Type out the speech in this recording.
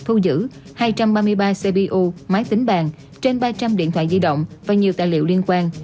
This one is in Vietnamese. thu giữ hai trăm ba mươi ba cbu máy tính bàn trên ba trăm linh điện thoại di động và nhiều tài liệu liên quan